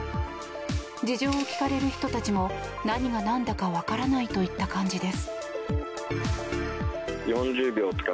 事情を聴かれる人たちも何がなんだかわからないといった感じです。